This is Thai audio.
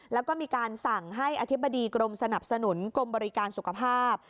แล้วก็มีการสั่งให้อธิบดีกรมสนับสนุนกรมบริการสุขภาพ